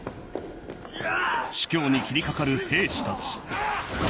いや！